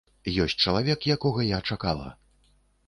Ёсць чалавек, якога я чакала!